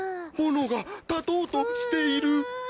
ぼのが立とうとしている！